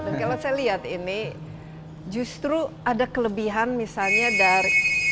dan kalau saya lihat ini justru ada kelebihan misalnya dari